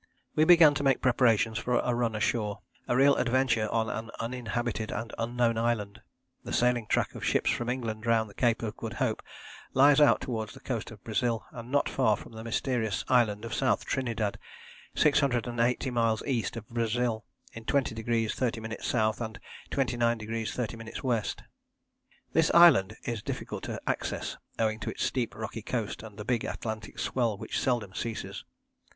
We began to make preparations for a run ashore a real adventure on an uninhabited and unknown island. The sailing track of ships from England round the Cape of Good Hope lies out towards the coast of Brazil, and not far from the mysterious island of South Trinidad, 680 miles east of Brazil, in 20° 30´ S. and 29° 30´ W. This island is difficult of access, owing to its steep rocky coast and the big Atlantic swell which seldom ceases.